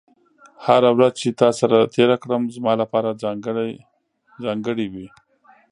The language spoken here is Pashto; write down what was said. هره ورځ چې تا سره تېره کړم، زما لپاره ځانګړې وي.